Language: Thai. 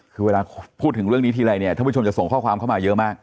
คือเวลาพูดถึงเรื่องนี้ทีไรเนี่ยท่านผู้ชมจะส่งข้อความเข้ามาเยอะมาก